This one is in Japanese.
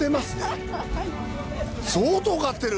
相当買ってる。